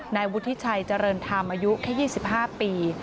นายวุฒิชัยเจริญธรรมอายุแค่๒๕ปี